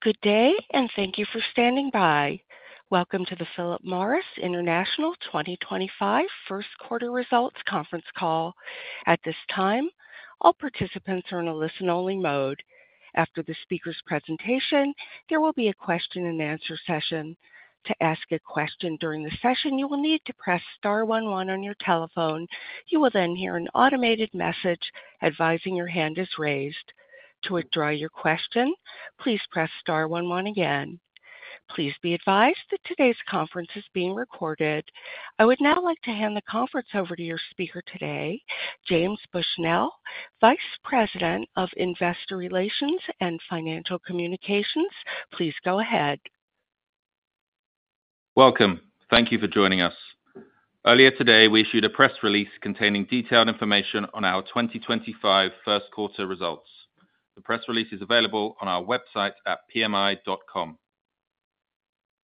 Good day, and thank you for standing by. Welcome to the Philip Morris International 2025 First Quarter Results Conference Call. At this time, all participants are in a listen-only mode. After the speaker's presentation, there will be a question-and-answer session. To ask a question during the session, you will need to press star one one on your telephone. You will then hear an automated message advising your hand is raised. To withdraw your question, please press star one one again. Please be advised that today's conference is being recorded. I would now like to hand the conference over to your speaker today, James Bushnell, Vice President of Investor Relations and Financial Communications. Please go ahead. Welcome. Thank you for joining us. Earlier today, we issued a press release containing detailed information on our 2025 First Quarter results. The press release is available on our website at pmi.com.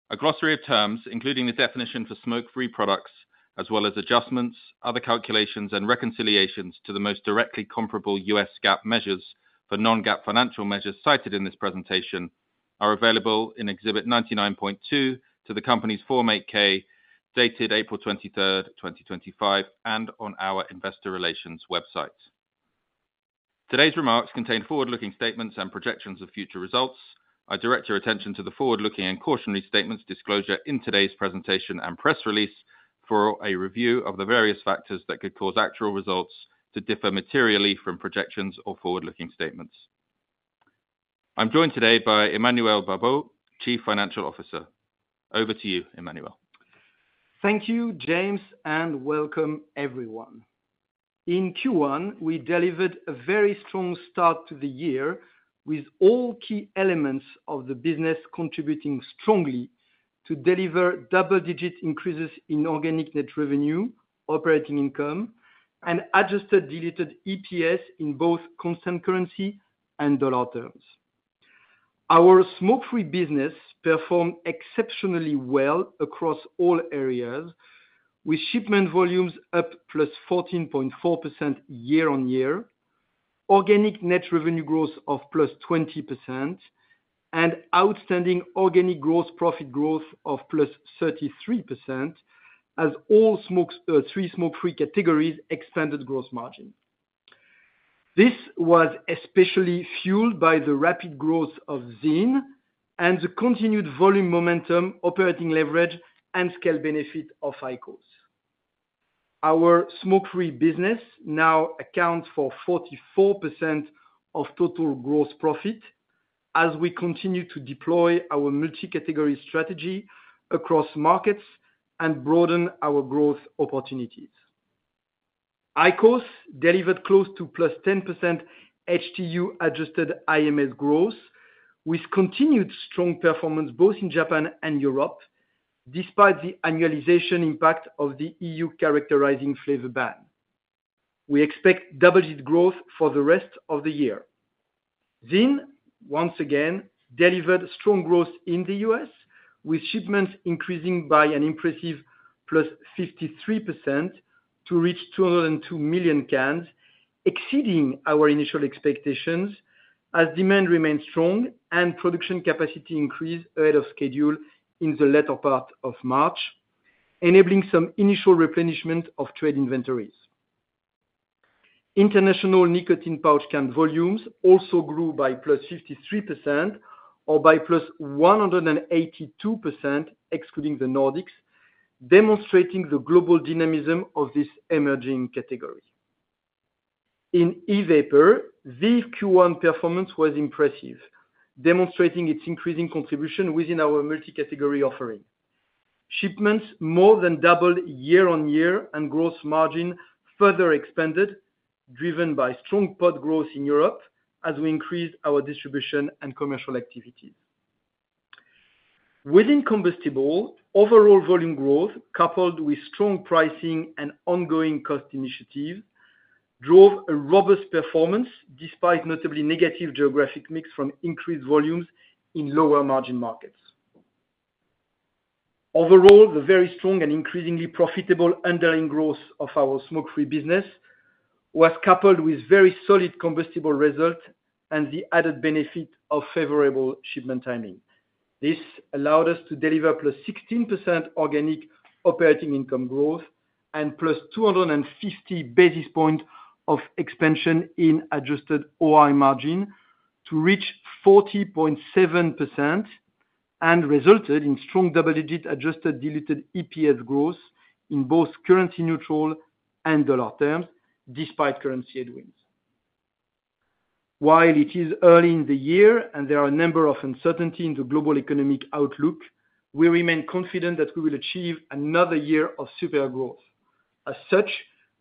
A glossary of terms, including the definition for smoke-free products, as well as adjustments, other calculations, and reconciliations to the most directly comparable U.S. GAAP measures for non-GAAP financial measures cited in this presentation, are available in Exhibit 99.2 to the Company's Form 8-K, dated April 23, 2025, and on our Investor Relations website. Today's remarks contain forward-looking statements and projections of future results. I direct your attention to the forward-looking and cautionary statements disclosure in today's presentation and press release for a review of the various factors that could cause actual results to differ materially from projections or forward-looking statements. I'm joined today by Emmanuel Babeau, Chief Financial Officer. Over to you, Emmanuel. Thank you, James, and welcome, everyone. In Q1, we delivered a very strong start to the year with all key elements of the business contributing strongly to deliver double-digit increases in organic net revenue, operating income, and adjusted diluted EPS in both constant currency and dollar terms. Our smoke-free business performed exceptionally well across all areas, with shipment volumes up +14.4% year-on-year, organic net revenue growth of +20%, and outstanding organic gross profit growth of +33%, as all three smoke-free categories expanded gross margin. This was especially fueled by the rapid growth of ZYN and the continued volume momentum, operating leverage, and scale benefit of IQOS. Our smoke-free business now accounts for 44% of total gross profit as we continue to deploy our multi-category strategy across markets and broaden our growth opportunities. IQOS delivered close to plus 10% HTU-adjusted IMS growth, with continued strong performance both in Japan and Europe, despite the annualization impact of the EU characterizing flavor ban. We expect double-digit growth for the rest of the year. ZYN, once again, delivered strong growth in the US, with shipments increasing by an impressive plus 53% to reach 202 million cans, exceeding our initial expectations as demand remained strong and production capacity increased ahead of schedule in the latter part of March, enabling some initial replenishment of trade inventories. International nicotine pouch can volumes also grew by plus 53% or by plus 182%, excluding the Nordics, demonstrating the global dynamism of this emerging category. In e-vapor, VEEV Q1 performance was impressive, demonstrating its increasing contribution within our multi-category offering. Shipments more than doubled year-on-year and gross margin further expanded, driven by strong pod growth in Europe as we increased our distribution and commercial activities. Within combustible, overall volume growth, coupled with strong pricing and ongoing cost initiatives, drove a robust performance despite notably negative geographic mix from increased volumes in lower margin markets. Overall, the very strong and increasingly profitable underlying growth of our smoke-free business was coupled with very solid combustible results and the added benefit of favorable shipment timing. This allowed us to deliver +16% organic operating income growth and +250 basis points of expansion in adjusted OI margin to reach 40.7% and resulted in strong double-digit adjusted diluted EPS growth in both currency-neutral and dollar terms despite currency headwinds. While it is early in the year and there are a number of uncertainties in the global economic outlook, we remain confident that we will achieve another year of super growth. As such,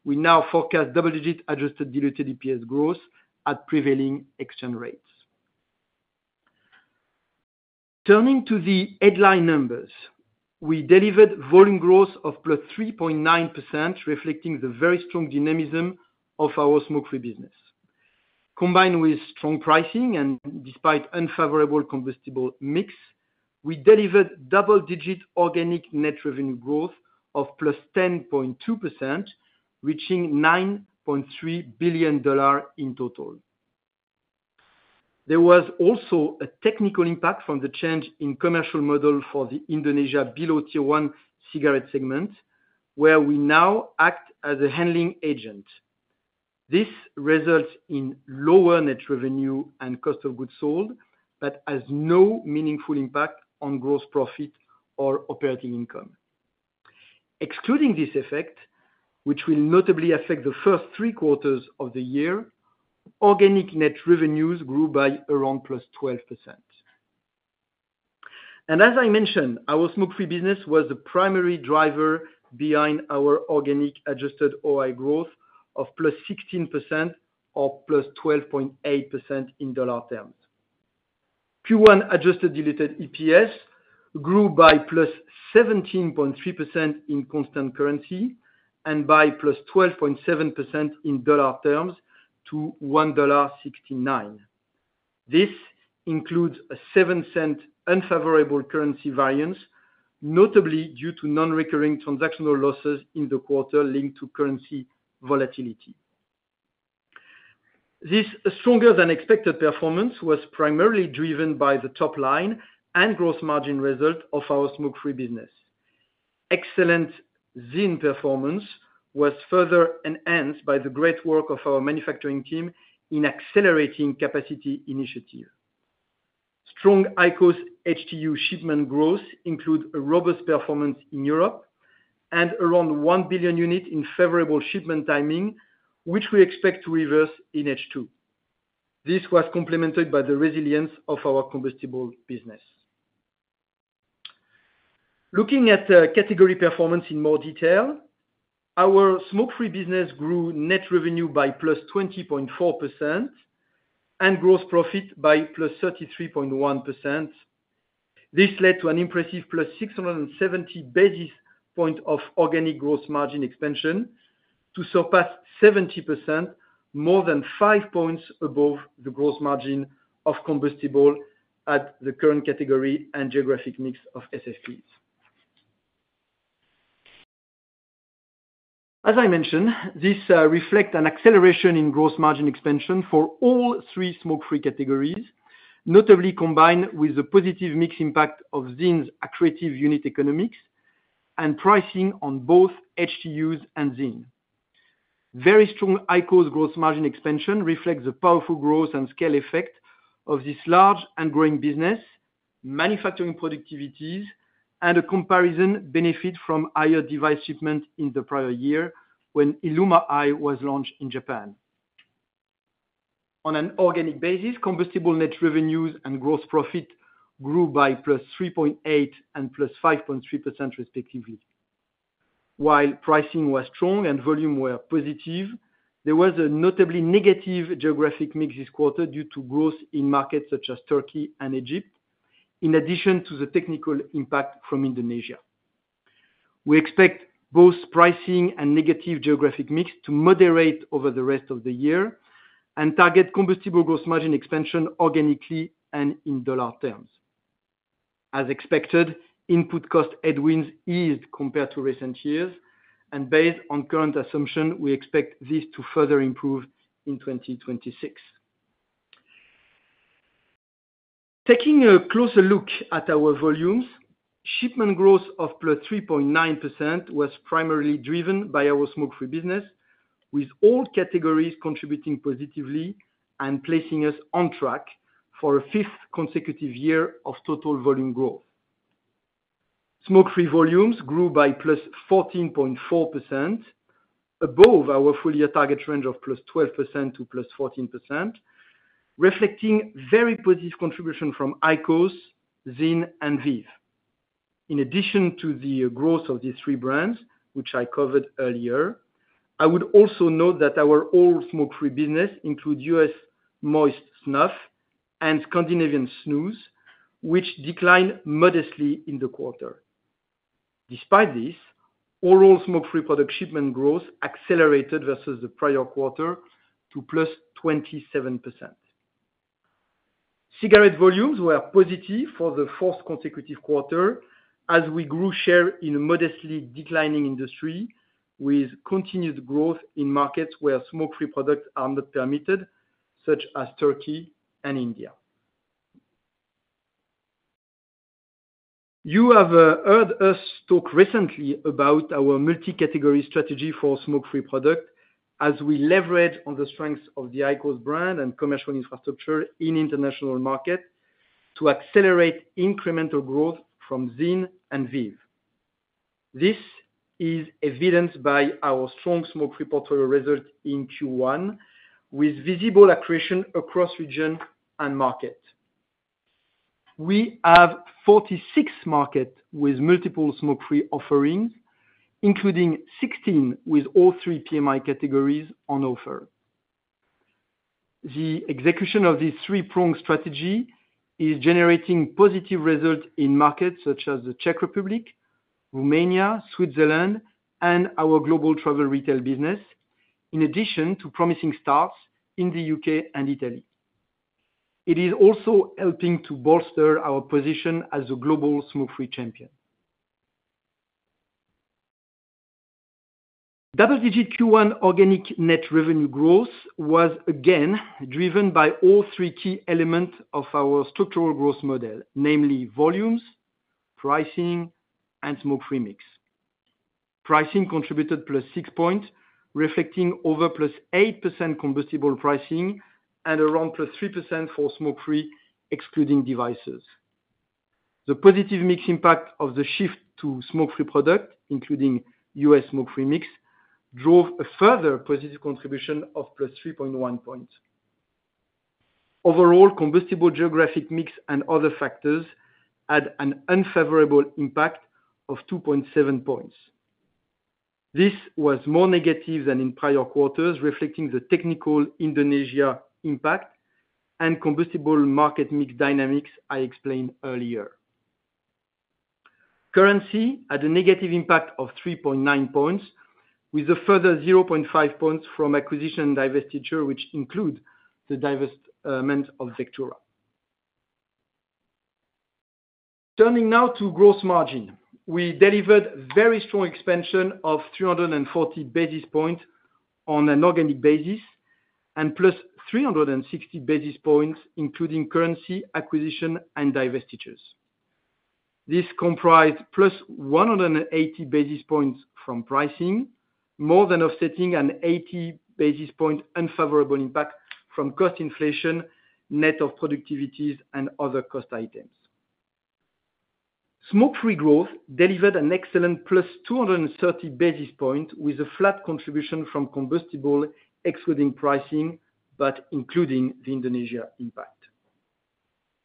we now forecast double-digit adjusted diluted EPS growth at prevailing exchange rates. Turning to the headline numbers, we delivered volume growth of +3.9%, reflecting the very strong dynamism of our smoke-free business. Combined with strong pricing and despite unfavorable combustible mix, we delivered double-digit organic net revenue growth of +10.2%, reaching $9.3 billion in total. There was also a technical impact from the change in commercial model for the Indonesia below Tier 1 cigarette segment, where we now act as a handling agent. This results in lower net revenue and cost of goods sold, but has no meaningful impact on gross profit or operating income. Excluding this effect, which will notably affect the first three quarters of the year, organic net revenues grew by around +12%. As I mentioned, our smoke-free business was the primary driver behind our organic adjusted OI growth of +16% or +12.8% in dollar terms. Q1 adjusted diluted EPS grew by +17.3% in constant currency and by +12.7% in dollar terms to $1.69. This includes a $0.07 unfavorable currency variance, notably due to non-recurring transactional losses in the quarter linked to currency volatility. This stronger-than-expected performance was primarily driven by the top line and gross margin result of our smoke-free business. Excellent ZYN performance was further enhanced by the great work of our manufacturing team in accelerating capacity initiative. Strong IQOS HTU shipment growth includes a robust performance in Europe and around 1 billion units in favorable shipment timing, which we expect to reverse in H2. This was complemented by the resilience of our combustible business. Looking at category performance in more detail, our smoke-free business grew net revenue by +20.4% and gross profit by +33.1%. This led to an impressive +670 basis points of organic gross margin expansion to surpass 70%, more than five points above the gross margin of combustible at the current category and geographic mix of SFPs. As I mentioned, this reflects an acceleration in gross margin expansion for all three smoke-free categories, notably combined with the positive mix impact of ZYN's accretive unit economics and pricing on both HTUs and ZYN. Very strong IQOS gross margin expansion reflects the powerful growth and scale effect of this large and growing business, manufacturing productivities, and a comparison benefit from higher device shipment in the prior year when ILUMA i was launched in Japan. On an organic basis, combustible net revenues and gross profit grew by +3.8% and +5.3%, respectively. While pricing was strong and volume was positive, there was a notably negative geographic mix this quarter due to growth in markets such as Turkey and Egypt, in addition to the technical impact from Indonesia. We expect both pricing and negative geographic mix to moderate over the rest of the year and target combustible gross margin expansion organically and in dollar terms. As expected, input cost headwinds eased compared to recent years, and based on current assumptions, we expect this to further improve in 2026. Taking a closer look at our volumes, shipment growth of +3.9% was primarily driven by our smoke-free business, with all categories contributing positively and placing us on track for a fifth consecutive year of total volume growth. Smoke-free volumes grew by +14.4%, above our four-year target range of +12%-+14%, reflecting very positive contribution from IQOS, ZYN, and VEEV. In addition to the growth of these three brands, which I covered earlier, I would also note that our all-smoke-free business includes US moist snuff and Scandinavian snus, which declined modestly in the quarter. Despite this, all-smoke-free product shipment growth accelerated versus the prior quarter to +27%. Cigarette volumes were positive for the fourth consecutive quarter as we grew share in a modestly declining industry with continued growth in markets where smoke-free products are not permitted, such as Turkey and India. You have heard us talk recently about our multi-category strategy for smoke-free product as we leverage on the strengths of the IQOS brand and commercial infrastructure in international markets to accelerate incremental growth from ZYN and VEEV. This is evidenced by our strong smoke-free portfolio result in Q1, with visible accretion across region and market. We have 46 markets with multiple smoke-free offerings, including 16 with all three PMI categories on offer. The execution of this three-pronged strategy is generating positive results in markets such as the Czech Republic, Romania, Switzerland, and our global travel retail business, in addition to promising starts in the U.K. and Italy. It is also helping to bolster our position as a global smoke-free champion. Double-digit Q1 organic net revenue growth was again driven by all three key elements of our structural growth model, namely volumes, pricing, and smoke-free mix. Pricing contributed plus 6 points, reflecting over plus 8% combustible pricing and around plus 3% for smoke-free, excluding devices. The positive mix impact of the shift to smoke-free product, including US smoke-free mix, drove a further positive contribution of plus 3.1 points. Overall, combustible geographic mix and other factors had an unfavorable impact of 2.7 points. This was more negative than in prior quarters, reflecting the technical Indonesia impact and combustible market mix dynamics I explained earlier. Currency had a negative impact of 3.9 points, with a further 0.5 points from acquisition and divestiture, which include the divestment of Vectura. Turning now to gross margin, we delivered very strong expansion of 340 basis points on an organic basis and plus 360 basis points, including currency acquisition and divestitures. This comprised plus 180 basis points from pricing, more than offsetting an 80 basis point unfavorable impact from cost inflation, net of productivities, and other cost items. Smoke-free growth delivered an excellent plus 230 basis points with a flat contribution from combustible, excluding pricing, but including the Indonesia impact.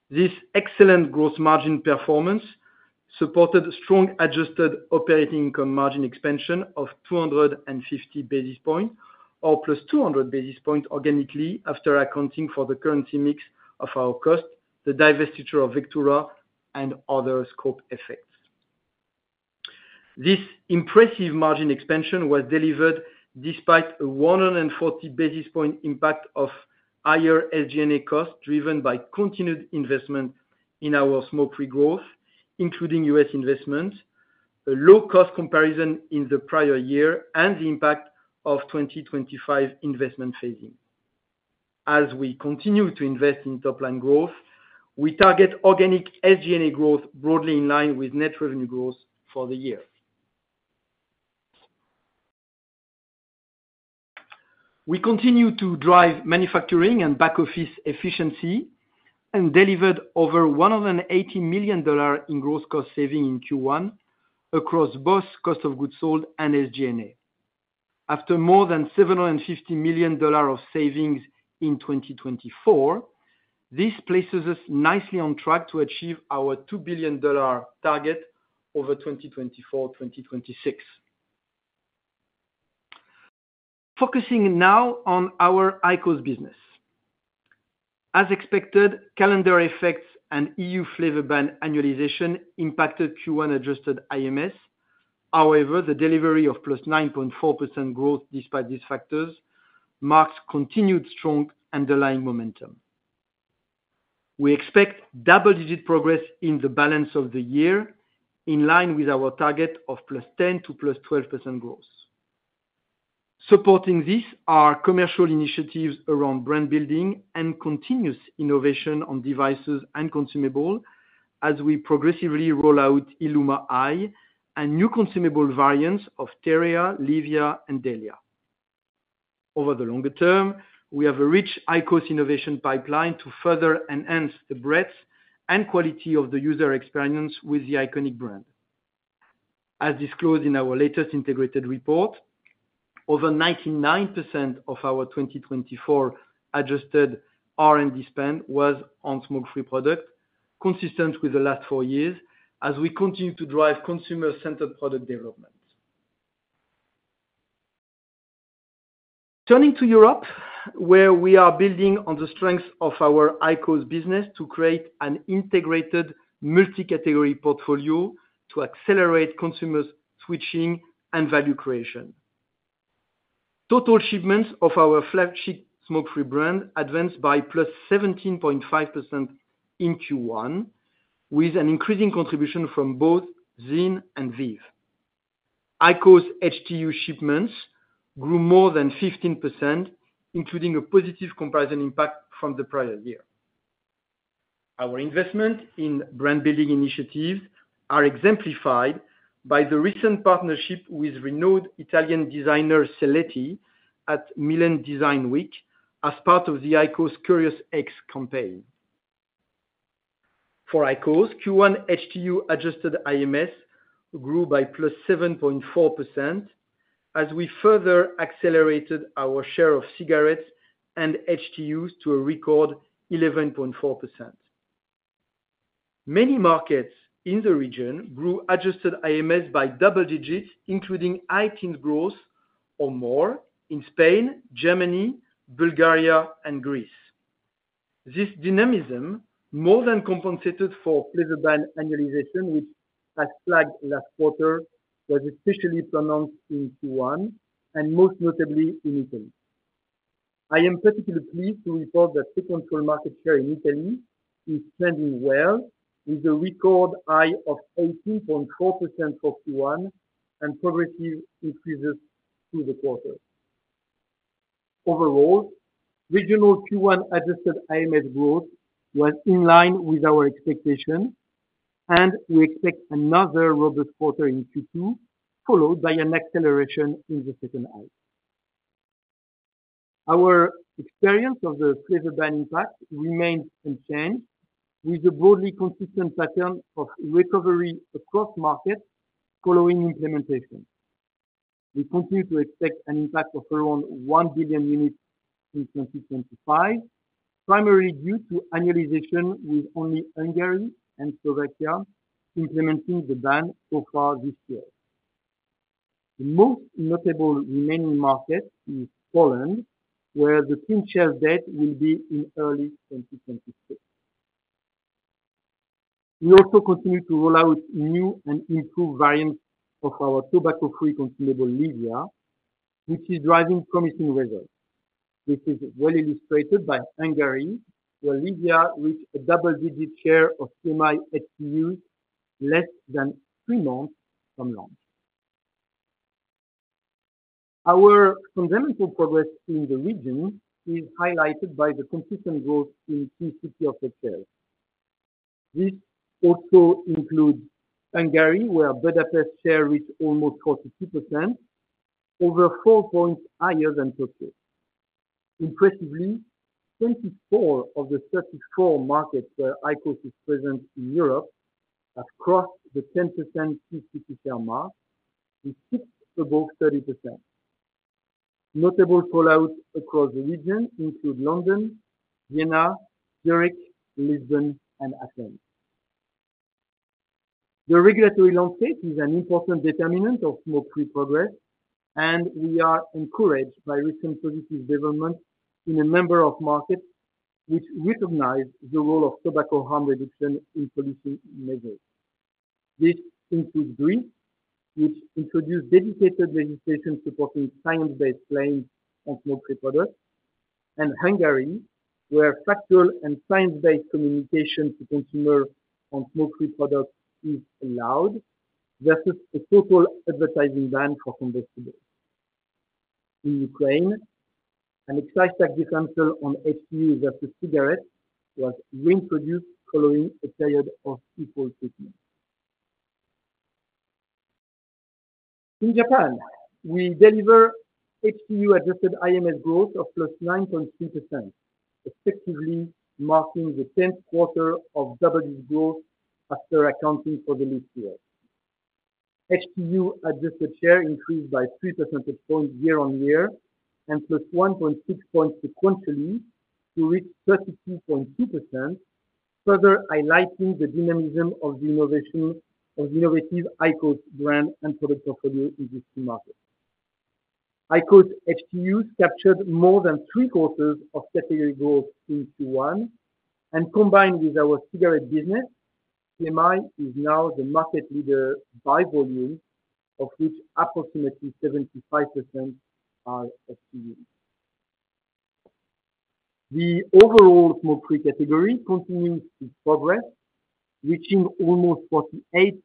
This excellent gross margin performance supported strong adjusted operating income margin expansion of 250 basis points or plus 200 basis points organically after accounting for the currency mix of our cost, the divestiture of Vectura, and other scope effects. This impressive margin expansion was delivered despite a 140 basis point impact of higher SG&A cost driven by continued investment in our smoke-free growth, including US investment, a low-cost comparison in the prior year, and the impact of 2025 investment phasing. As we continue to invest in top-line growth, we target organic SG&A growth broadly in line with net revenue growth for the year. We continue to drive manufacturing and back-office efficiency and delivered over $180 million in gross cost saving in Q1 across both cost of goods sold and SG&A. After more than $750 million of savings in 2024, this places us nicely on track to achieve our $2 billion target over 2024-2026. Focusing now on our IQOS business. As expected, calendar effects and EU flavor ban annualization impacted Q1 adjusted IMS. However, the delivery of +9.4% growth despite these factors marks continued strong underlying momentum. We expect double-digit progress in the balance of the year in line with our target of +10%-+12% growth. Supporting this are commercial initiatives around brand building and continuous innovation on devices and consumables as we progressively roll out ILUMA i and new consumable variants of TEREA, LEVIA, and DELIA. Over the longer term, we have a rich IQOS innovation pipeline to further enhance the breadth and quality of the user experience with the iconic brand. As disclosed in our latest integrated report, over 99% of our 2024 adjusted R&D spend was on smoke-free products, consistent with the last four years as we continue to drive consumer-centered product development. Turning to Europe, where we are building on the strengths of our IQOS business to create an integrated multi-category portfolio to accelerate consumers' switching and value creation. Total shipments of our flagship smoke-free brand advanced by +17.5% in Q1, with an increasing contribution from both ZYN and VEEV. IQOS HTU shipments grew more than 15%, including a positive comparison impact from the prior year. Our investment in brand-building initiatives is exemplified by the recent partnership with renowned Italian designer Seletti at Milan Design Week as part of the IQOS Curious X campaign. For IQOS, Q1 HTU adjusted IMS grew by +7.4% as we further accelerated our share of cigarettes and HTUs to a record 11.4%. Many markets in the region grew adjusted IMS by double digits, including high-teen growth or more in Spain, Germany, Bulgaria, and Greece. This dynamism more than compensated for flavor ban annualization, which, as flagged last quarter, was especially pronounced in Q1 and most notably in Italy. I am particularly pleased to report that smoke-free market share in Italy is trending well, with a record high of 18.4% for Q1 and progressive increases through the quarter. Overall, regional Q1 adjusted IMS growth was in line with our expectations, and we expect another robust quarter in Q2, followed by an acceleration in the second half. Our experience of the flavor ban impact remains unchanged, with a broadly consistent pattern of recovery across markets following implementation. We continue to expect an impact of around 1 billion units in 2025, primarily due to annualization with only Hungary and Slovakia implementing the ban so far this year. The most notable remaining market is Poland, where the future debt will be in early 2026. We also continue to roll out new and improved variants of our tobacco-free consumable, LEVIA, which is driving promising results. This is well illustrated by Hungary, where LEVIA reached a double-digit share of PMI HTUs less than three months from launch. Our fundamental progress in the region is highlighted by the consistent growth in key city-offtake shares. This also includes Hungary, where Budapest share reached almost 42%, over four points higher than Turkey. Impressively, 24 of the 34 markets where IQOS is present in Europe have crossed the 10% key city share mark, with six above 30%. Notable callouts across the region include London, Vienna, Zurich, Lisbon, and Athens. The regulatory landscape is an important determinant of smoke-free progress, and we are encouraged by recent positive developments in a number of markets which recognize the role of tobacco harm reduction in pollution measures. This includes Greece, which introduced dedicated legislation supporting science-based claims on smoke-free products, and Hungary, where factual and science-based communication to consumers on smoke-free products is allowed versus a total advertising ban for combustibles. In Ukraine, an excise tax exemption on HTUs versus cigarettes was reintroduced following a period of equal treatment. In Japan, we deliver HTU-adjusted IMS growth of +9.3%, effectively marking the 10th quarter of double-digit growth after accounting for the last year. HTU-adjusted share increased by 3 percentage points year on year and +1.6 points sequentially to reach 32.2%, further highlighting the dynamism of the innovative IQOS brand and product portfolio in these two markets. IQOS HTUs captured more than three quarters of category growth in Q1, and combined with our cigarette business, PMI is now the market leader by volume, of which approximately 75% are HTUs. The overall smoke-free category continues to progress, reaching almost 48%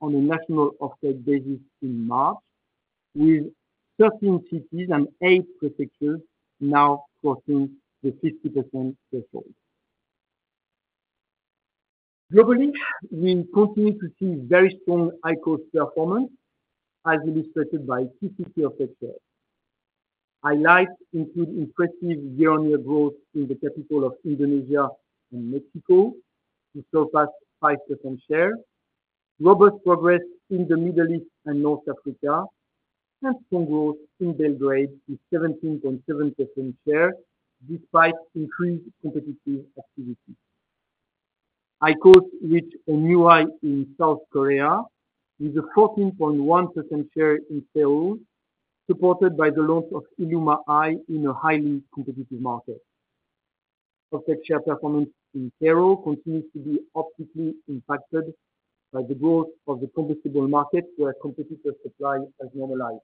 on a national offtake basis in March, with 13 cities and eight prefectures now crossing the 50% threshold. Globally, we continue to see very strong IQOS performance, as illustrated by key city-offtake shares. Highlights include impressive year-on-year growth in the capital of Indonesia and Mexico to surpass 5% share, robust progress in the Middle East and North Africa, and strong growth in Belgrade to 17.7% share despite increased competitive activity. IQOS reached a new high in South Korea with a 14.1% share in Seoul, supported by the launch of ILUMA i in a highly competitive market. Offtake share performance in Cairo continues to be optically impacted by the growth of the combustible market, where competitive supply has normalized.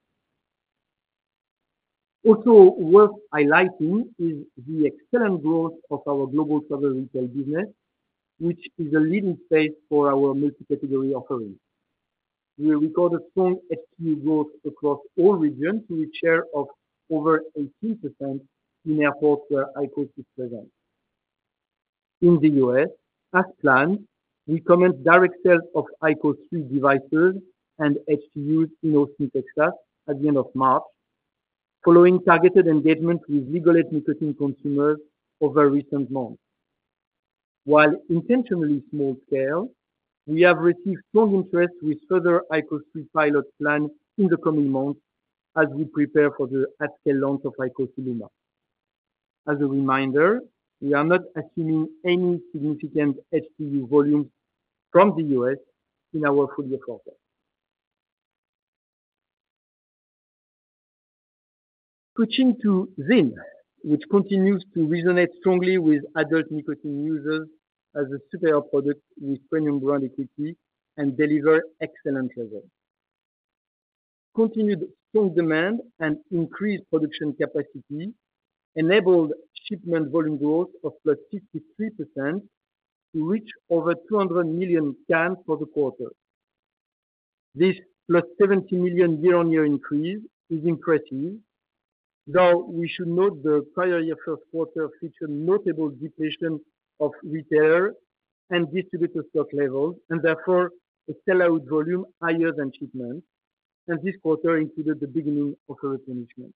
Also, worth highlighting is the excellent growth of our global travel retail business, which is a leading space for our multi-category offering. We recorded strong HTU growth across all regions, with share of over 18% in airports where IQOS is present. In the US, as planned, we commence direct sales of IQOS 3 devices and HTUs in Austin, Texas, at the end of March, following targeted engagement with legal nicotine consumers over recent months. While intentionally small scale, we have received strong interest with further IQOS 3 pilot planned in the coming months as we prepare for the at-scale launch of IQOS ILUMA. As a reminder, we are not assuming any significant HTU volumes from the US in our full year process. Switching to VEEV, which continues to resonate strongly with adult nicotine users as a superior product with premium brand equity and delivers excellent results. Continued strong demand and increased production capacity enabled shipment volume growth of plus 53% to reach over 200 million cans for the quarter. This plus 70 million year-on-year increase is impressive, though we should note the prior year first quarter featured notable depletion of retailer and distributor stock levels and therefore a sell-out volume higher than shipment, and this quarter included the beginning of a replenishment.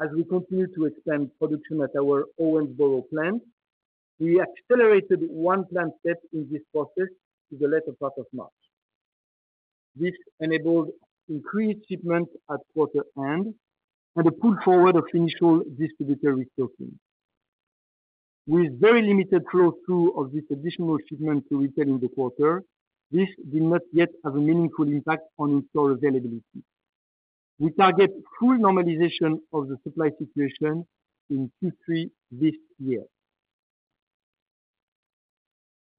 As we continue to expand production at our Owensboro plant, we accelerated one line set in this process to the latter part of March. This enabled increased shipment at quarter end and a pull forward of initial distributor restocking. With very limited flow-through of this additional shipment to retail in the quarter, this did not yet have a meaningful impact on in-store availability. We target full normalization of the supply situation in Q3 this year.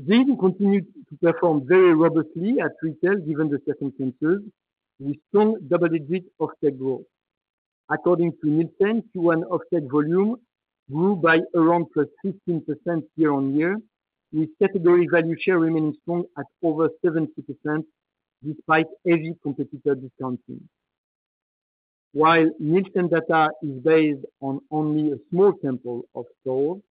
ZYN continued to perform very robustly at retail given the circumstances with strong double-digit offtake growth. According to Nielsen, Q1 offtake volume grew by around +15% year-on-year, with category value share remaining strong at over 70% despite heavy competitor discounting. While Nielsen data is based on only a small sample of stores,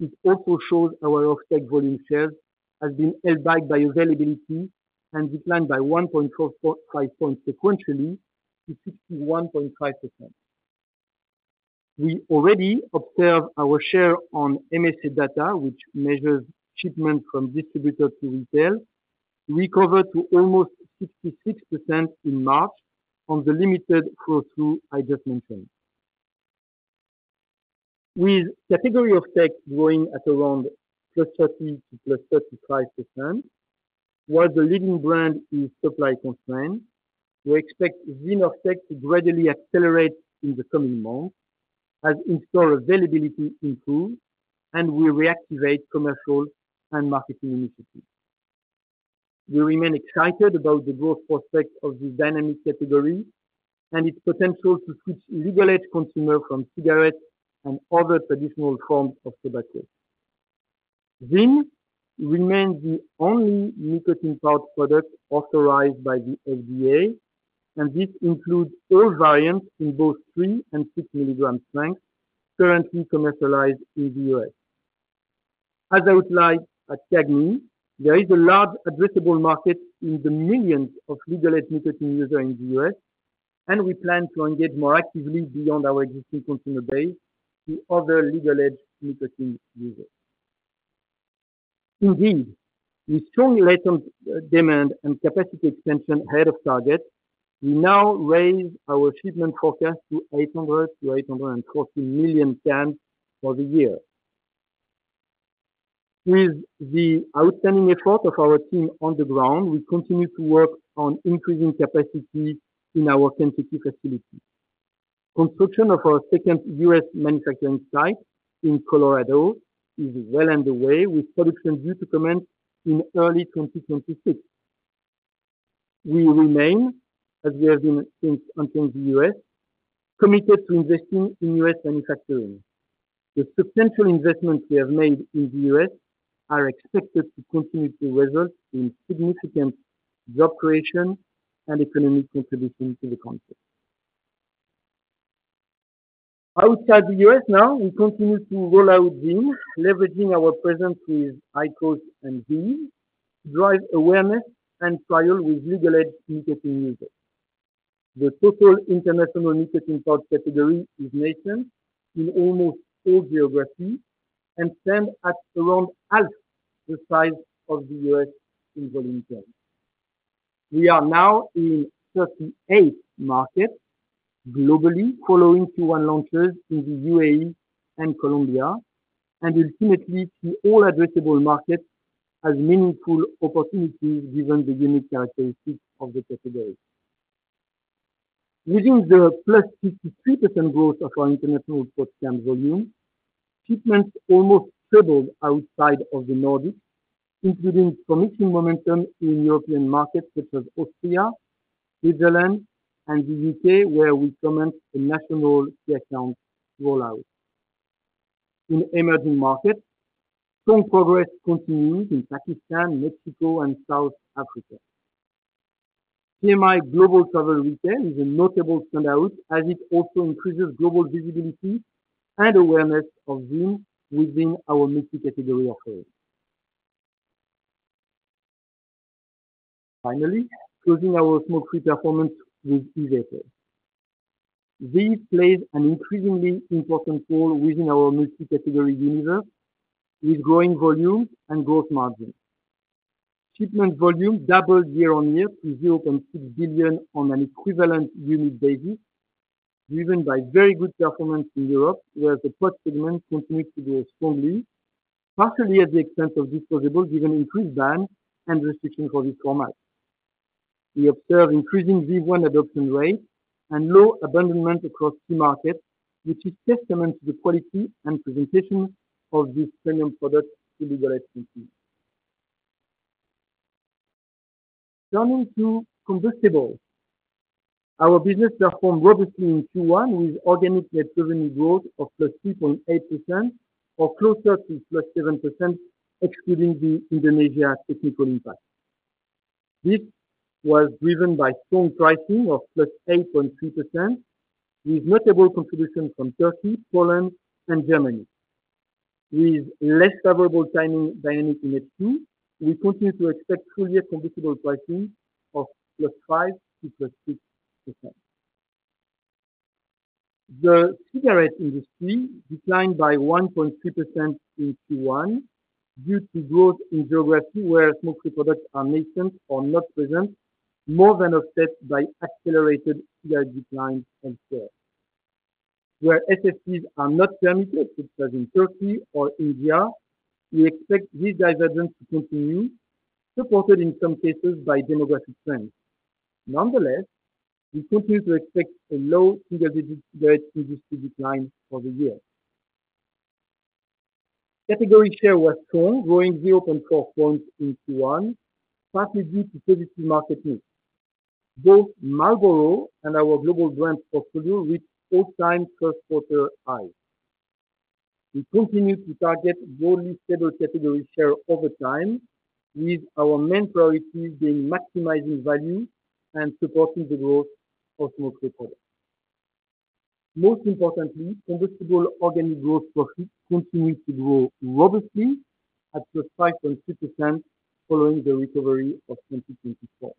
it also shows our offtake volume shares have been held back by availability and declined by 1.45 percentage points sequentially to 61.5%. We already observed our share on MSA data, which measures shipment from distributor to retail, recovered to almost 66% in March on the limited flow-through I just mentioned. With category offtake growing at around +30%-+35%, while the leading brand is supply constrained, we expect ZYN offtake to gradually accelerate in the coming months as in-store availability improves and we reactivate commercial and marketing initiatives. We remain excited about the growth prospects of this dynamic category and its potential to switch legal-age consumers from cigarettes and other traditional forms of tobacco. ZYN remains the only nicotine powder product authorized by the FDA, and this includes all variants in both 3 and 6 milligram strength currently commercialized in the US. As I outlined at CAGNY, there is a large addressable market in the millions of legal-age nicotine users in the US, and we plan to engage more actively beyond our existing consumer base to other legal-age nicotine users. Indeed, with strong latent demand and capacity expansion ahead of target, we now raise our shipment forecast to 800-840 million cans for the year. With the outstanding effort of our team on the ground, we continue to work on increasing capacity in our Kentucky facility. Construction of our second US manufacturing site in Colorado is well underway, with production due to commence in early 2026. We remain, as we have been since entering the US, committed to investing in US manufacturing. The substantial investments we have made in the US are expected to continue to result in significant job creation and economic contribution to the country. Outside the US now, we continue to roll out ZYN, leveraging our presence with IQOS and ZYN to drive awareness and trial with legal-age nicotine users. The total international nicotine pouch category is nascent in almost all geographies and stands at around half the size of the US in volume terms. We are now in 38 markets globally, following Q1 launches in the UAE and Colombia, and ultimately to all addressable markets as meaningful opportunities given the unique characteristics of the category. Within the plus 53% growth of our international pouch cans volume, shipments almost tripled outside of the Nordics, including promising momentum in European markets such as Austria, Switzerland, and the U.K., where we commence a national key account rollout. In emerging markets, strong progress continues in Pakistan, Mexico, and South Africa. PMI Global Travel Retail is a notable standout as it also increases global visibility and awareness of ZYN within our multi-category offering. Finally, closing our smoke-free performance with e-vapor. ZYN plays an increasingly important role within our multi-category universe with growing volumes and gross margins. Shipment volume doubled year-on-year to 0.6 billion on an equivalent unit basis, driven by very good performance` in Europe, where the pouch segment continues to grow strongly, partially at the expense of disposable given increased bans and restrictions for this format. We observe increasing ZYN adoption rates and low abandonment across key markets, which is testament to the quality and presentation of this premium product to legal entities. Turning to combustibles, our business performed robustly in Q1 with organic net revenue growth of +3.8% or closer to +7%, excluding the Indonesia technical impact. This was driven by strong pricing of +8.3%, with notable contribution from Turkey, Poland, and Germany. With less favorable timing dynamic in HQ, we continue to expect full year combustible pricing of +5-6%. The cigarette industry declined by 1.3% in Q1 due to growth in geographies where smoke-free products are nascent or not present, more than offtake by accelerated cigarette declines elsewhere. Where SFPs are not permitted, such as in Turkey or India, we expect these divergences to continue, supported in some cases by demographic trends. Nonetheless, we continue to expect a low single-digit cigarette industry decline for the year. Category share was strong, growing 0.4 percentage points in Q1, partly due to positive market mix. Both Marlboro and our global brand portfolio reached all-time first-quarter highs. We continue to target broadly stable category share over time, with our main priority being maximizing value and supporting the growth of smoke-free products. Most importantly, combustible organic gross profits continue to grow robustly at +5.3% following the recovery of 2024.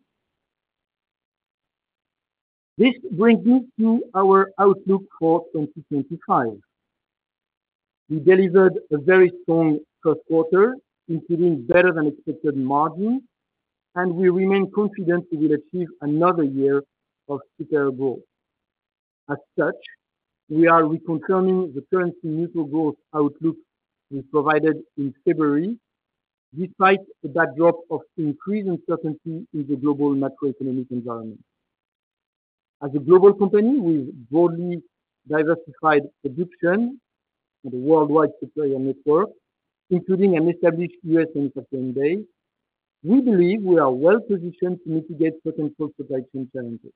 This brings me to our outlook for 2025. We delivered a very strong first quarter, including better-than-expected margins, and we remain confident we will achieve another year of superior growth. As such, we are reconfirming the currency neutral growth outlook we provided in February, despite a backdrop of increased uncertainty in the global macroeconomic environment. As a global company with broadly diversified production and a worldwide supplier network, including an established US manufacturing base, we believe we are well-positioned to mitigate potential supply chain challenges.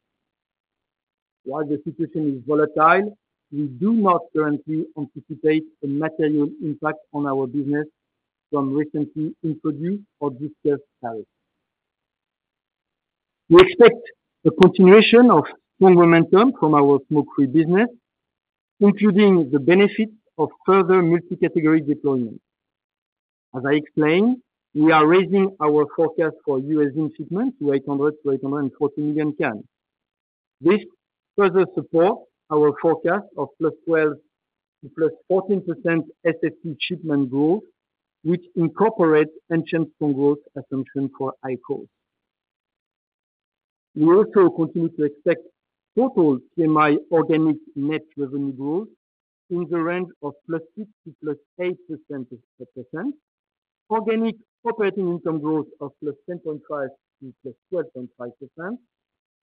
While the situation is volatile, we do not currently anticipate a material impact on our business from recently introduced or discussed tariffs. We expect a continuation of strong momentum from our smoke-free business, including the benefits of further multi-category deployment. As I explained, we are raising our forecast for US ZYN shipment to 800-840 million cans. This further supports our forecast of +12%-+14% SFP shipment growth, which incorporates an unchanged strong growth assumption for IQOS. We also continue to expect total PMI organic net revenue growth in the range of +6%-8%, organic operating income growth of +10.5%-12.5%,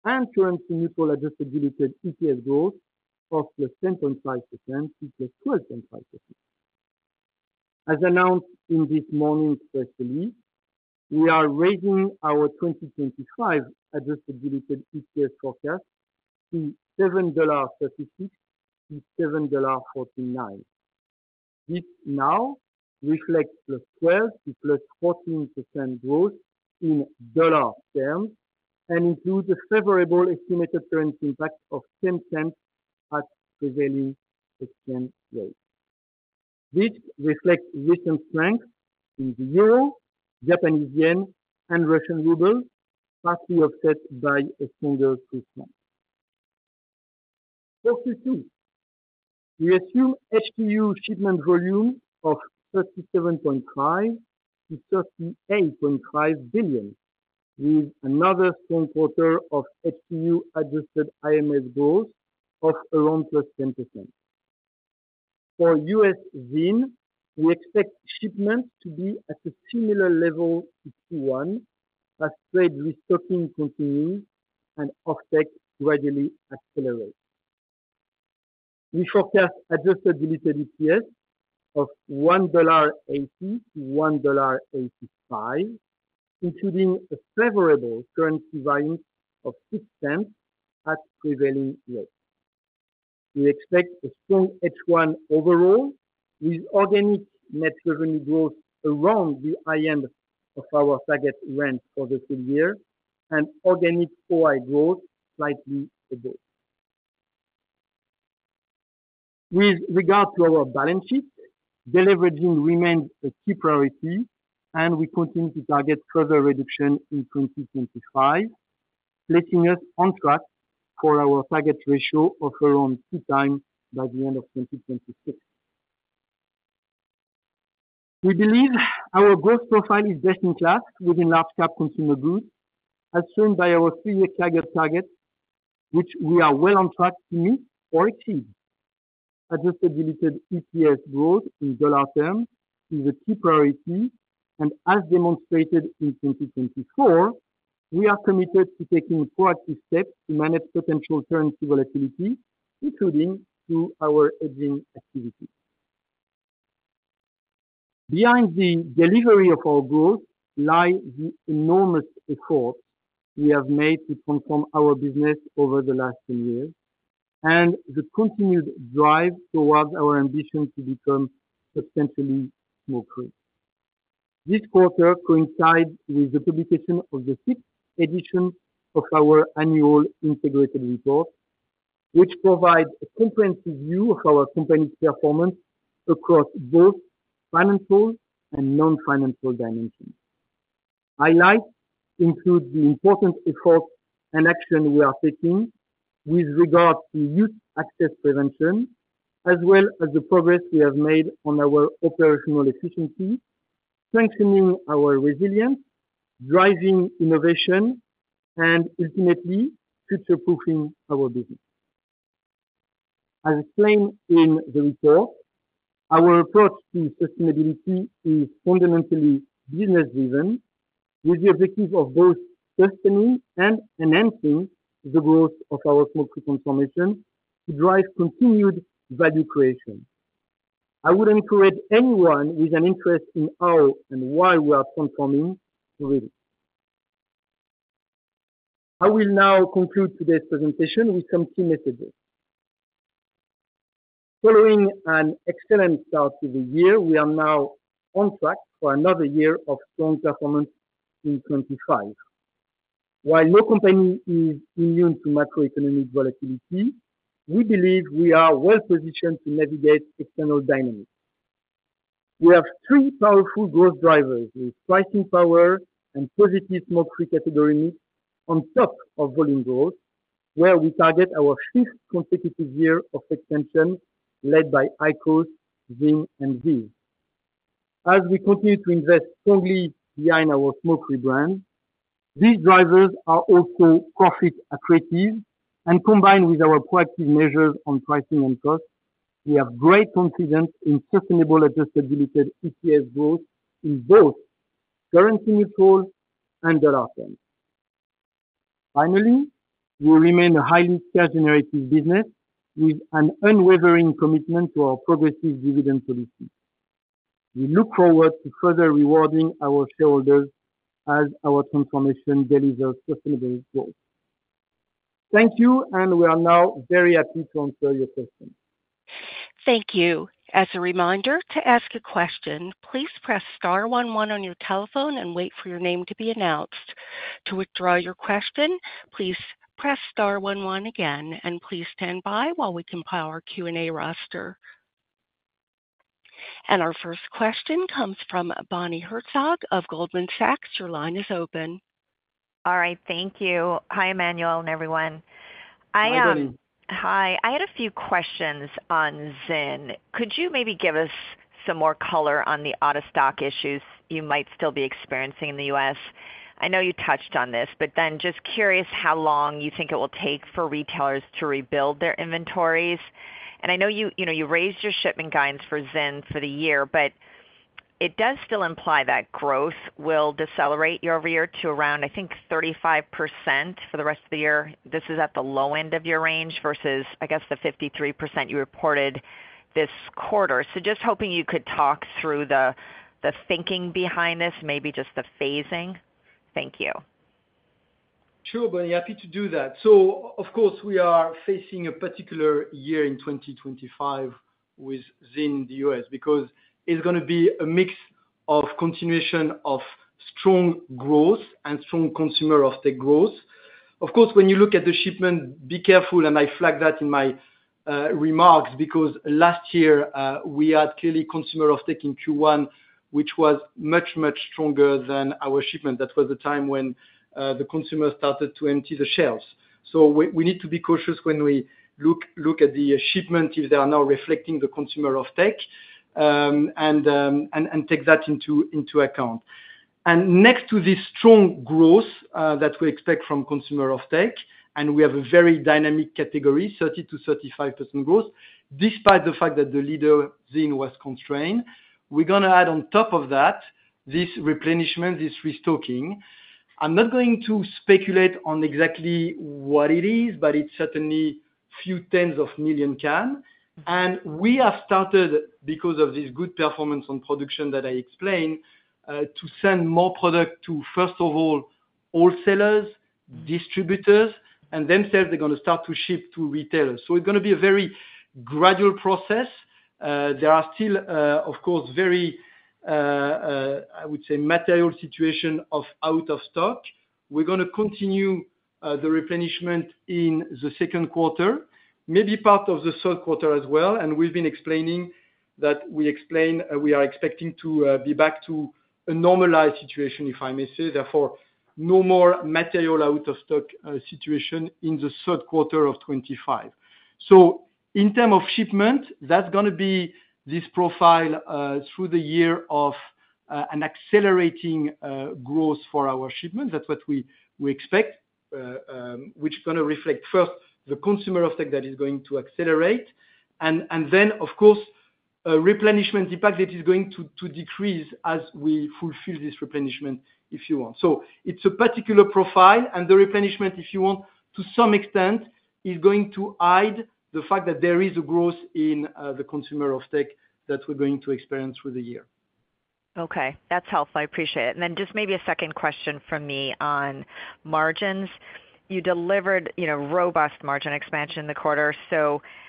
and currency neutral adjusted diluted EPS growth of 10.5%-12.5%. As announced in this morning's press release, we are raising our 2025 adjusted diluted EPS forecast to $7.36-$7.49. This now reflects 12%-14% growth in dollar terms and includes a favorable estimated currency impact of $0.10 at prevailing exchange rates. This reflects recent strength in the euro, Japanese yen, and Russian ruble, partly offtake by a stronger Swiss franc. For Q2, we assume HTU shipment volume of $37.5 billion-$38.5 billion, with another strong quarter of HTU-adjusted IMS growth of around +10%. For US ZYN, we expect shipments to be at a similar level to Q1 as trade restocking continues and offtake gradually accelerates. We forecast adjusted diluted EPS of $1.80-$1.85, including a favorable currency variance of $0.06 at prevailing rates. We expect a strong H1 overall, with organic net revenue growth around the high end of our target range for the full year and organic OI growth slightly above. With regard to our balance sheet, deleveraging remains a key priority, and we continue to target further reduction in 2025, placing us on track for our target ratio of around two times by the end of 2026. We believe our growth profile is best in class within large-cap consumer goods, as shown by our three-year target, which we are well on track to meet or exceed. diluted EPS growth in dollar terms is a key priority, and as demonstrated in 2024, we are committed to taking proactive steps to manage potential currency volatility, including through our hedging activities. Behind the delivery of our growth lie the enormous efforts we have made to transform our business over the last ten years and the continued drive towards our ambition to become substantially smoke-free. This quarter coincides with the publication of the sixth edition of our annual integrated report, which provides a comprehensive view of our company's performance across both financial and non-financial dimensions. Highlights include the important efforts and actions we are taking with regard to youth access prevention, as well as the progress we have made on our operational efficiency, strengthening our resilience, driving innovation, and ultimately future-proofing our business. As explained in the report, our approach to sustainability is fundamentally business-driven, with the objective of both sustaining and enhancing the growth of our smoke-free consumption to drive continued value creation. I would encourage anyone with an interest in how and why we are transforming to read it. I will now conclude today's presentation with some key messages. Following an excellent start to the year, we are now on track for another year of strong performance in 2025. While no company is immune to macroeconomic volatility, we believe we are well-positioned to navigate external dynamics. We have three powerful growth drivers, with pricing power and positive smoke-free category mix on top of volume growth, where we target our fifth consecutive year of extension led by IQOS, ZYN, and VEEV. As we continue to invest strongly behind our smoke-free brand, these drivers are also profit-accretive, and combined with our proactive measures on pricing and costs, we have great confidence in sustainable adjusted diluted EPS growth in both currency neutral and dollar terms. Finally, we remain a highly cash-generative business with an unwavering commitment to our progressive dividend policy. We look forward to further rewarding our shareholders as our transformation delivers sustainable growth. Thank you, and we are now very happy to answer your questions. Thank you. As a reminder, to ask a question, please press star one one on your telephone and wait for your name to be announced. To withdraw your question, please press star one one again, and please stand by while we compile our Q&A roster. Our first question comes from Bonnie Herzog of Goldman Sachs. Your line is open. All right, thank you. Hi, Emmanuel, and everyone. Good morning. Hi. I had a few questions on ZYN. Could you maybe give us some more color on the out-of-stock issues you might still be experiencing in the U.S.? I know you touched on this, but just curious how long you think it will take for retailers to rebuild their inventories. I know you raised your shipment guidance for ZYN for the year, but it does still imply that growth will decelerate year over year to around, I think, 35% for the rest of the year. This is at the low end of your range versus, I guess, the 53% you reported this quarter. Just hoping you could talk through the thinking behind this, maybe just the phasing. Thank you. Sure, Bonnie. Happy to do that. Of course, we are facing a particular year in 2025 with ZYN in the U.S. Because it's going to be a mix of continuation of strong growth and strong consumer offtake growth. Of course, when you look at the shipment, be careful, and I flag that in my remarks because last year we had clearly consumer offtake in Q1, which was much, much stronger than our shipment. That was the time when the consumer started to empty the shelves. We need to be cautious when we look at the shipment if they are now reflecting the consumer offtake and take that into account. Next to this strong growth that we expect from consumer offtake, and we have a very dynamic category, 30-35% growth, despite the fact that the leader ZYN was constrained, we're going to add on top of that this replenishment, this restocking. I'm not going to speculate on exactly what it is, but it's certainly a few tens of million cans. We have started, because of this good performance on production that I explained, to send more product to, first of all, wholesalers, distributors, and then sales are going to start to ship to retailers. It is going to be a very gradual process. There are still, of course, very, I would say, material situations of out of stock. We are going to continue the replenishment in the second quarter, maybe part of the third quarter as well. We have been explaining that we are expecting to be back to a normalized situation, if I may say. Therefore, no more material out of stock situation in the third quarter of 2025. In terms of shipment, that's going to be this profile through the year of an accelerating growth for our shipment. That's what we expect, which is going to reflect first the consumer offtake that is going to accelerate, and then, of course, replenishment impact that is going to decrease as we fulfill this replenishment, if you want. It's a particular profile, and the replenishment, if you want, to some extent is going to hide the fact that there is a growth in the consumer offtake that we're going to experience through the year. Okay. That's helpful. I appreciate it. Just maybe a second question from me on margins. You delivered robust margin expansion in the quarter.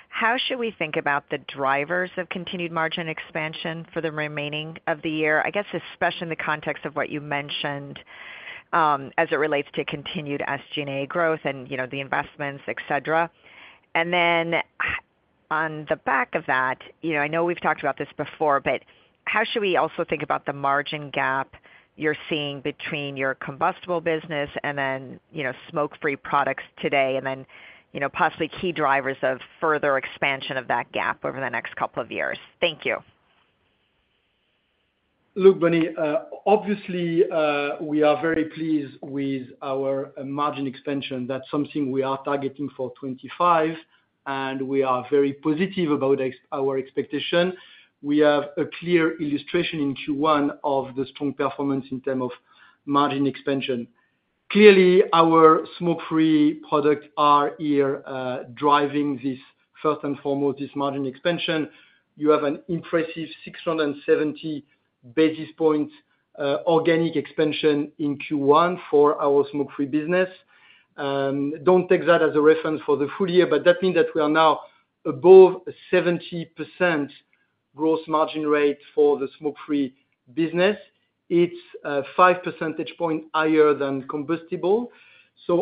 How should we think about the drivers of continued margin expansion for the remaining of the year? I guess especially in the context of what you mentioned as it relates to continued SG&A growth and the investments, etc. On the back of that, I know we've talked about this before, but how should we also think about the margin gap you're seeing between your combustible business and then smoke-free products today, and then possibly key drivers of further expansion of that gap over the next couple of years? Thank you. Look, Bonnie, obviously, we are very pleased with our margin expansion. That's something we are targeting for 2025, and we are very positive about our expectation. We have a clear illustration in Q1 of the strong performance in terms of margin expansion. Clearly, our smoke-free products are here driving this first and foremost, this margin expansion. You have an impressive 670 basis points organic expansion in Q1 for our smoke-free business. Don't take that as a reference for the full year, but that means that we are now above a 70% gross margin rate for the smoke-free business. It's a 5 percentage point higher than combustible.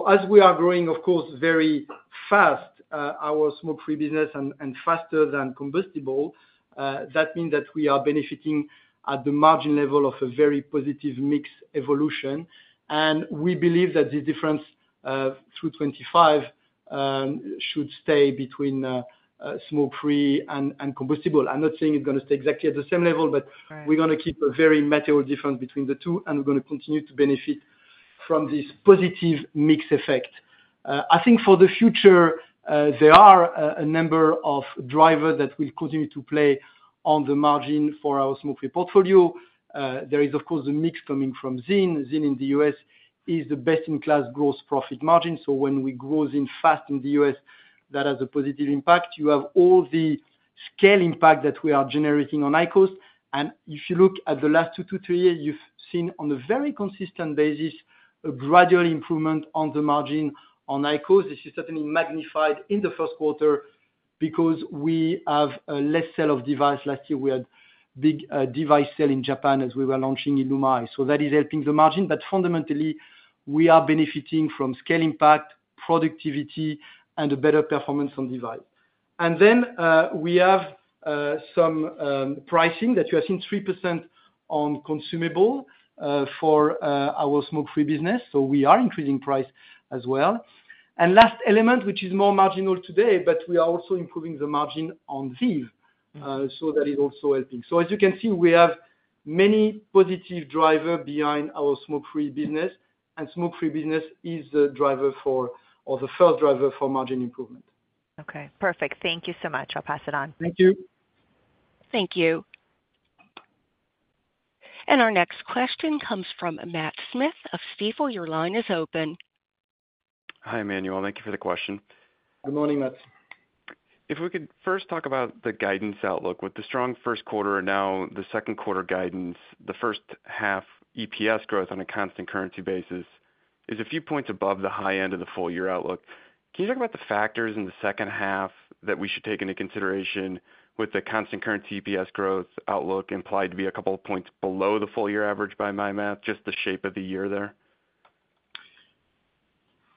As we are growing, of course, very fast, our smoke-free business and faster than combustible, that means that we are benefiting at the margin level of a very positive mix evolution. We believe that this difference through 2025 should stay between smoke-free and combustible. I'm not saying it's going to stay exactly at the same level, but we're going to keep a very material difference between the two, and we're going to continue to benefit from this positive mix effect. I think for the future, there are a number of drivers that will continue to play on the margin for our smoke-free portfolio. There is, of course, the mix coming from ZYN. ZYN in the U.S. is the best-in-class gross profit margin. When we grow ZYN fast in the U.S., that has a positive impact. You have all the scale impact that we are generating on IQOS. If you look at the last two, two, three years, you've seen on a very consistent basis a gradual improvement on the margin on IQOS. This is certainly magnified in the first quarter because we have a less sale of device. Last year, we had a big device sale in Japan as we were launching ILUMA. That is helping the margin. Fundamentally, we are benefiting from scale impact, productivity, and a better performance on device. We have some pricing that you have seen 3% on consumable for our smoke-free business. We are increasing price as well. Last element, which is more marginal today, but we are also improving the margin on ZYN. That is also helping. As you can see, we have many positive drivers behind our smoke-free business, and smoke-free business is the driver for or the first driver for margin improvement. Okay. Perfect. Thank you so much. I'll pass it on. Thank you. Thank you. Our next question comes from Matt Smith of Stifel. Your line is open. Hi, Emmanuel. Thank you for the question. Good morning, Matt. If we could first talk about the guidance outlook with the strong first quarter and now the second quarter guidance, the first half EPS growth on a constant currency basis is a few points above the high end of the full year outlook. Can you talk about the factors in the second half that we should take into consideration with the constant currency EPS growth outlook implied to be a couple of points below the full year average by my math, just the shape of the year there?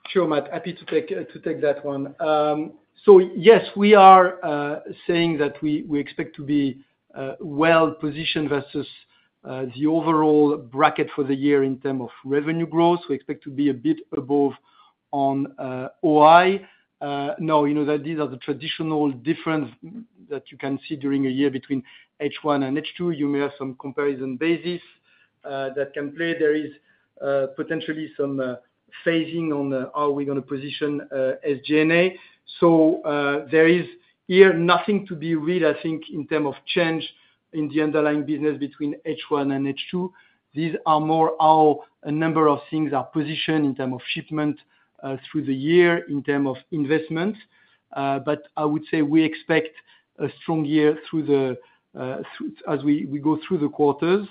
Sure, Matt. Happy to take that one. Yes, we are saying that we expect to be well-positioned versus the overall bracket for the year in terms of revenue growth. We expect to be a bit above on OI. Now, you know that these are the traditional difference that you can see during a year between H1 and H2. You may have some comparison basis that can play. There is potentially some phasing on how we're going to position SG&A. There is here nothing to be read, I think, in terms of change in the underlying business between H1 and H2. These are more how a number of things are positioned in terms of shipment through the year in terms of investments. I would say we expect a strong year as we go through the quarters.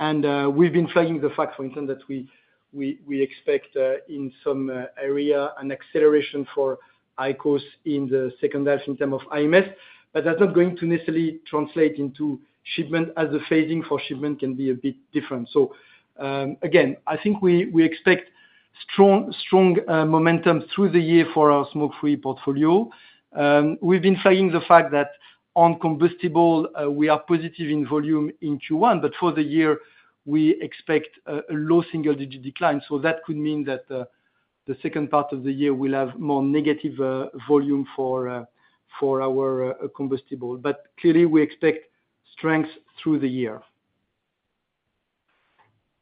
We have been flagging the fact, for instance, that we expect in some area an acceleration for IQOS in the second half in terms of IMS. That is not going to necessarily translate into shipment as the phasing for shipment can be a bit different. Again, I think we expect strong momentum through the year for our smoke-free portfolio. We have been flagging the fact that on combustible, we are positive in volume in Q1, but for the year, we expect a low single-digit decline. That could mean that the second part of the year will have more negative volume for our combustible. Clearly, we expect strength through the year.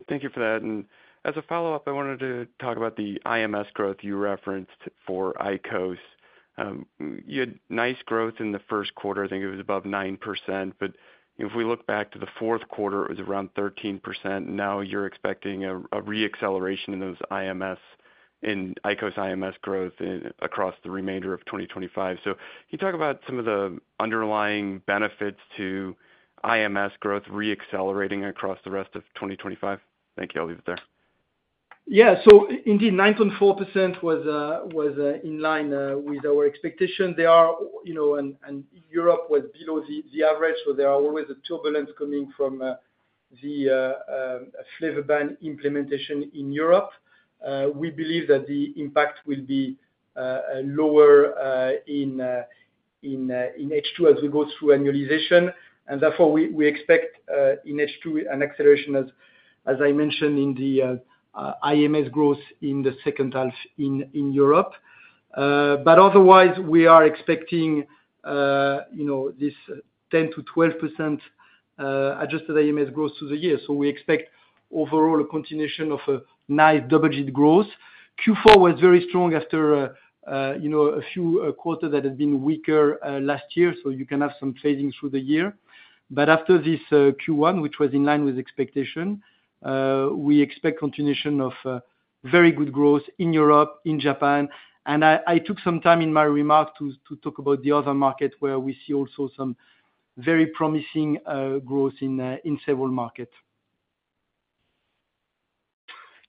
Thank you for that. As a follow-up, I wanted to talk about the IMS growth you referenced for IQOS. You had nice growth in the first quarter. I think it was above 9%. If we look back to the fourth quarter, it was around 13%. Now you're expecting a re-acceleration in those IMS, in IQOS IMS growth across the remainder of 2025. Can you talk about some of the underlying benefits to IMS growth re-accelerating across the rest of 2025? Thank you. I'll leave it there. Yeah. Indeed, 9.4% was in line with our expectation. Europe was below the average. There is always a turbulence coming from the flavor ban implementation in Europe. We believe that the impact will be lower in H2 as we go through annualization. Therefore, we expect in H2 an acceleration, as I mentioned, in the IMS growth in the second half in Europe. Otherwise, we are expecting this 10-12% adjusted IMS growth through the year. We expect overall a continuation of a nice double-digit growth. Q4 was very strong after a few quarters that had been weaker last year. You can have some phasing through the year. After this Q1, which was in line with expectation, we expect continuation of very good growth in Europe, in Japan. I took some time in my remark to talk about the other market where we see also some very promising growth in several markets.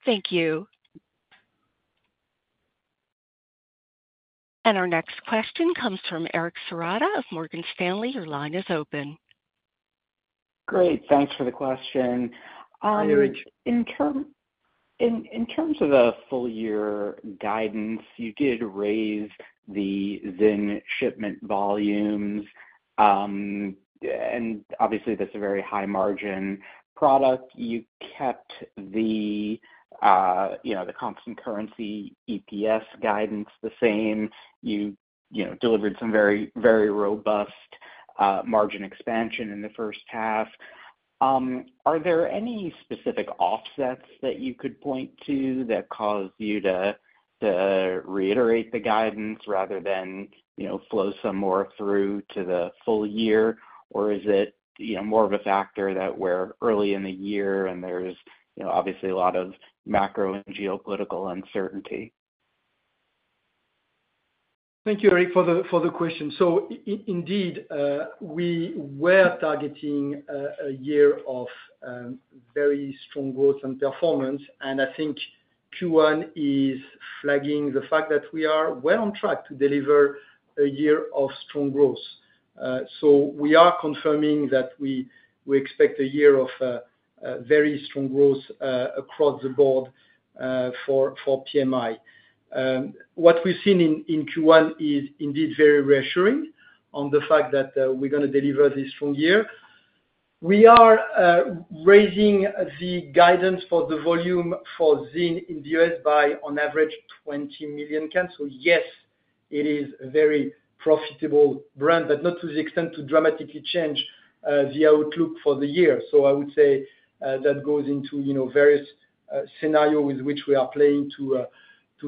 Thank you. Our next question comes from Eric Serotta of Morgan Stanley. Your line is open. Great. Thanks for the question. In terms of the full-year guidance, you did raise the ZYN shipment volumes. And obviously, that's a very high-margin product. You kept the constant currency EPS guidance the same. You delivered some very robust margin expansion in the first half. Are there any specific offsets that you could point to that cause you to reiterate the guidance rather than flow some more through to the full year? Or is it more of a factor that we're early in the year and there's obviously a lot of macro and geopolitical uncertainty? Thank you, Eric, for the question. So indeed, we were targeting a year of very strong growth and performance. I think Q1 is flagging the fact that we are well on track to deliver a year of strong growth. We are confirming that we expect a year of very strong growth across the board for PMI. What we've seen in Q1 is indeed very reassuring on the fact that we're going to deliver this strong year. We are raising the guidance for the volume for ZYN in the U.S. by, on average, 20 million cans. Yes, it is a very profitable brand, but not to the extent to dramatically change the outlook for the year. I would say that goes into various scenarios with which we are playing to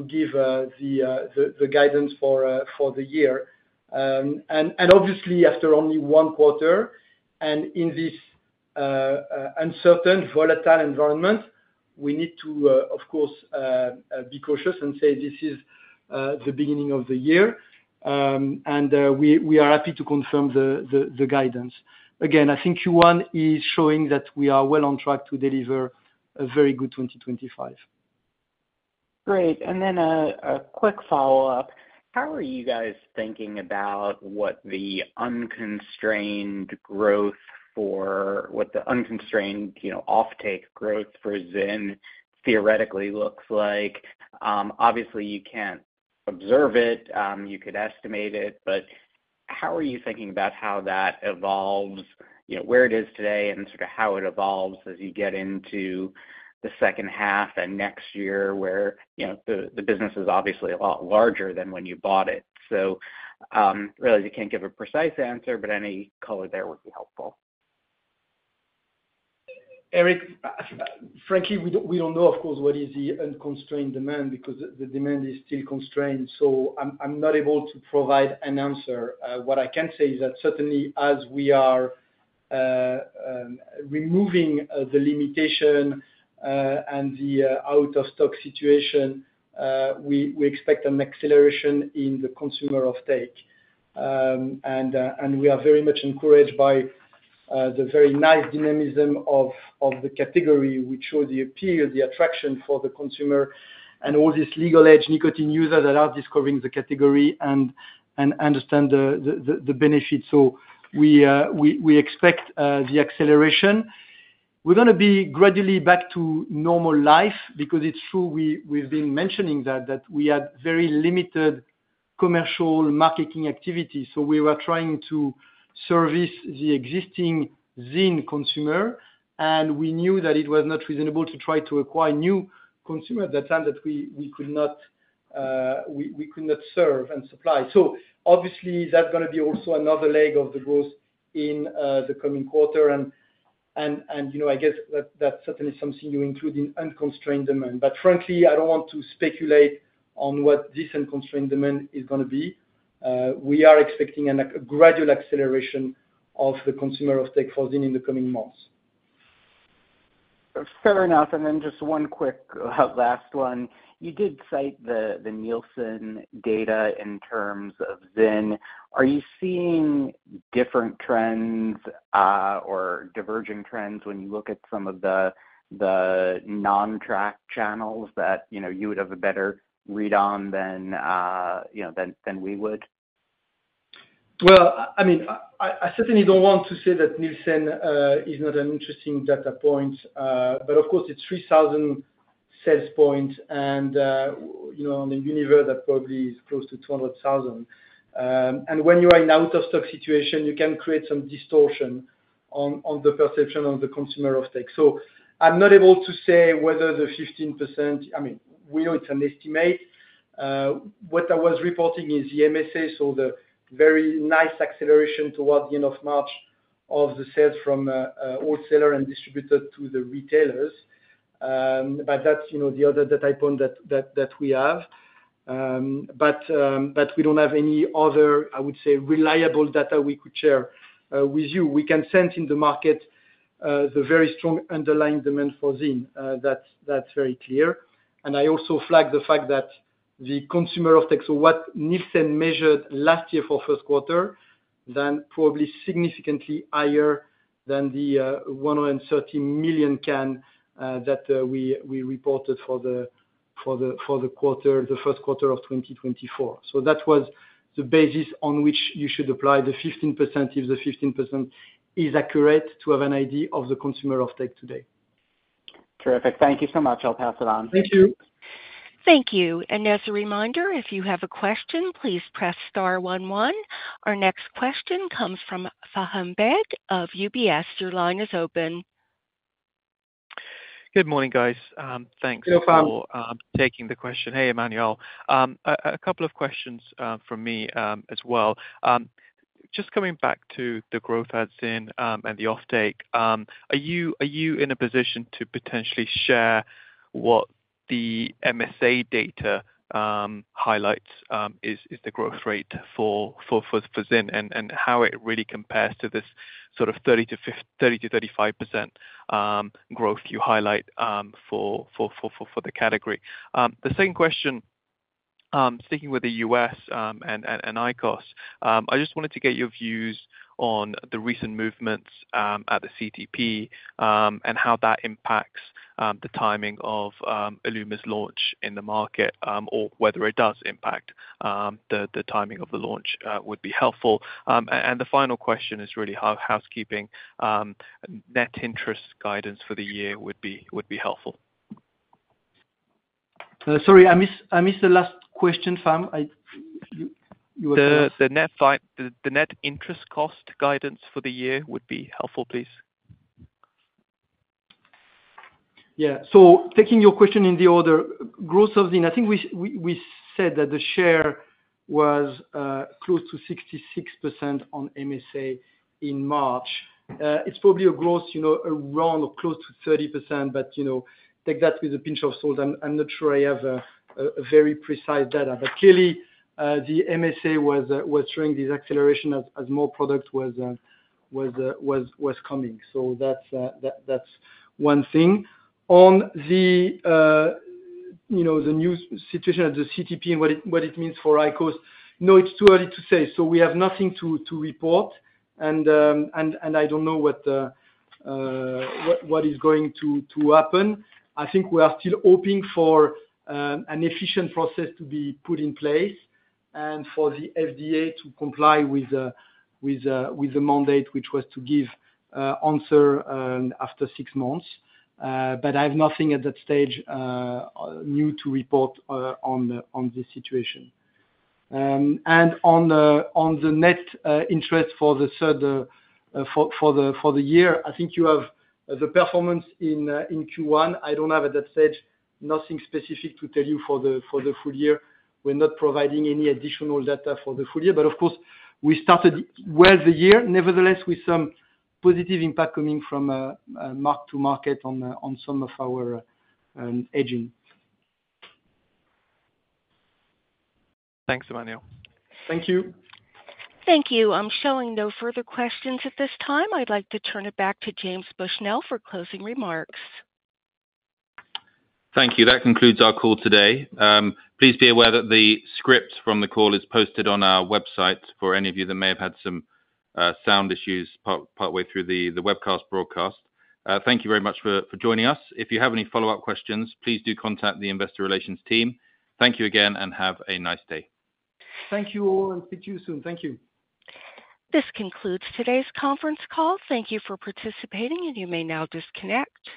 give the guidance for the year. Obviously, after only one quarter, and in this uncertain, volatile environment, we need to, of course, be cautious and say this is the beginning of the year. We are happy to confirm the guidance. Again, I think Q1 is showing that we are well on track to deliver a very good 2025. Great. Then a quick follow-up. How are you guys thinking about what the unconstrained growth for what the unconstrained offtake growth for ZYN theoretically looks like? Obviously, you can't observe it. You could estimate it. How are you thinking about how that evolves, where it is today, and sort of how it evolves as you get into the second half and next year where the business is obviously a lot larger than when you bought it? You can't give a precise answer, but any color there would be helpful. Eric, frankly, we don't know, of course, what is the unconstrained demand because the demand is still constrained. I'm not able to provide an answer. What I can say is that certainly, as we are removing the limitation and the out-of-stock situation, we expect an acceleration in the consumer offtake. We are very much encouraged by the very nice dynamism of the category, which shows the appeal, the attraction for the consumer, and all these legal-age nicotine users that are discovering the category and understand the benefit. We expect the acceleration. We are going to be gradually back to normal life because it is true we have been mentioning that we had very limited commercial marketing activity. We were trying to service the existing ZYN consumer, and we knew that it was not reasonable to try to acquire new consumers at that time that we could not serve and supply. Obviously, that is going to be also another leg of the growth in the coming quarter. I guess that is certainly something you include in unconstrained demand. Frankly, I do not want to speculate on what this unconstrained demand is going to be. We are expecting a gradual acceleration of the consumer offtake for ZYN in the coming months. Fair enough. And then just one quick last one. You did cite the Nielsen data in terms of ZYN. Are you seeing different trends or diverging trends when you look at some of the non-tracked channels that you would have a better read on than we would? I mean, I certainly don't want to say that Nielsen is not an interesting data point. Of course, it's 3,000 sales points and on the universe, that probably is close to 200,000. When you are in out-of-stock situation, you can create some distortion on the perception of the consumer offtake. I'm not able to say whether the 15%, I mean, we know it's an estimate. What I was reporting is the MSA, so the very nice acceleration towards the end of March of the sales from wholesaler and distributor to the retailers. That is the other data point that we have. We do not have any other, I would say, reliable data we could share with you. We can sense in the market the very strong underlying demand for ZYN. That is very clear. I also flag the fact that the consumer offtake, what Nielsen measured last year for first quarter, is probably significantly higher than the 130 million can that we reported for the first quarter of 2024. That was the basis on which you should apply the 15% if the 15% is accurate to have an idea of the consumer offtake today. Terrific. Thank you so much. I will pass it on. Thank you. Thank you. As a reminder, if you have a question, please press star one one. Our next question comes from Faham Baig of UBS. Your line is open. Good morning, guys. Thanks for taking the question. Hey, Emmanuel. A couple of questions from me as well. Just coming back to the growth at ZYN and the offtake, are you in a position to potentially share what the MSA data highlights is the growth rate for ZYN and how it really compares to this sort of 30-35% growth you highlight for the category? The second question, sticking with the U.S. and IQOS, I just wanted to get your views on the recent movements at the CTP and how that impacts the timing of ILUMA's launch in the market or whether it does impact the timing of the launch would be helpful. The final question is really housekeeping. Net interest guidance for the year would be helpful. Sorry, I missed the last question, Faham. You were talking. The net interest cost guidance for the year would be helpful, please. Yeah. Taking your question in the order, growth of ZYN, I think we said that the share was close to 66% on MSA in March. It's probably a growth around close to 30%, but take that with a pinch of salt. I'm not sure I have very precise data. Clearly, the MSA was showing this acceleration as more product was coming. That's one thing. On the new situation at the CTP and what it means for IQOS, no, it's too early to say. We have nothing to report. I don't know what is going to happen. I think we are still hoping for an efficient process to be put in place and for the FDA to comply with the mandate, which was to give answer after six months. I have nothing at that stage new to report on this situation. On the net interest for the third for the year, I think you have the performance in Q1. I do not have at that stage nothing specific to tell you for the full year. We are not providing any additional data for the full year. Of course, we started well the year, nevertheless, with some positive impact coming from mark-to-market on some of our hedging. Thanks, Emmanuel. Thank you. Thank you. I am showing no further questions at this time. I would like to turn it back to James Bushnell for closing remarks. Thank you. That concludes our call today. Please be aware that the script from the call is posted on our website for any of you that may have had some sound issues partway through the webcast broadcast. Thank you very much for joining us. If you have any follow-up questions, please do contact the investor relations team. Thank you again and have a nice day. Thank you all and speak to you soon. Thank you. This concludes today's conference call. Thank you for participating and you may now disconnect.